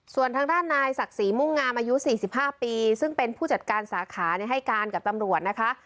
ส่วนทางด้านนายศักดิ์ศรีมุ่งงามอายุ๔๕ปีซึ่งเป็นผู้จัดการสาขาให้การกับตำรวจนะคะ